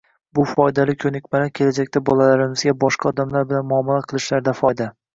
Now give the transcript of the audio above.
bu foydali ko‘nikmalar kelajakda bolalarimizga boshqa odamlar bilan muomala qilishlarida foyda.